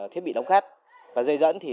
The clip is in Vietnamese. thiết bị đóng khắt và dây dẫn thì